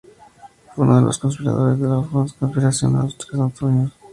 Fue uno de los conspiradores de la famosa Conspiración de los tres Antonios.